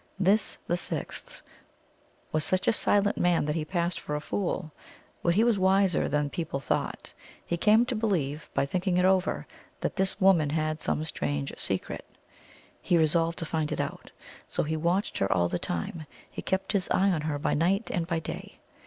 This, the sixth, was such a silent man that he passed for a fool. But he was wiser than people thought. He came to believe, by thinking it over, that this woman had some strange secret. He resolved to find it out. So he watched her all the time. He kept his eye on her by night and by day.